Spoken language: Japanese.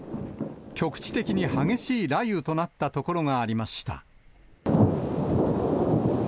局地的に激しい雷雨となった所がありました。